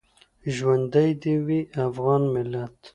ژوندی دې وي افغان ملت؟